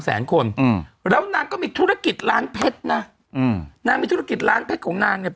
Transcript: แสนคนอืมแล้วนางก็มีธุรกิจร้านเพชรนะอืมนางมีธุรกิจร้านเพชรของนางเนี่ย